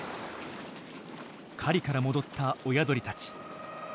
狩りから戻った親鳥たち。